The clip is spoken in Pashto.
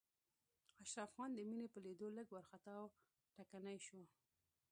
اشرف خان د مينې په ليدو لږ وارخطا او ټکنی شو.